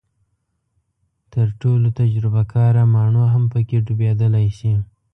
تر ټولو تجربه کاره ماڼو هم پکې ډوبېدلی شي.